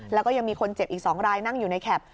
แล้วก็ยังมีคนเจ็บอีก๒รายนั่งอยู่ในแคป